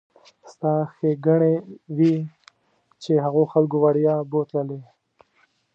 ستا ښېګڼې وي چې هغو خلکو وړیا بوتللې.